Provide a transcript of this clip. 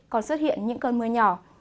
còn xuất hiện những cơn mưa nhỏ